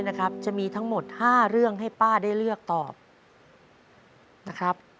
นะครับจะมีทั้งหมด๕เรื่องให้ป้าได้เลือกตอบนะครับ